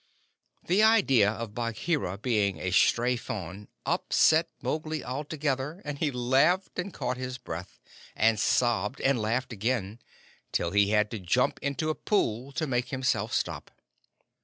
The idea of Bagheera being a stray fawn upset Mowgli altogether, and he laughed and caught his breath, and sobbed and laughed again, till he had to jump into a pool to make himself stop.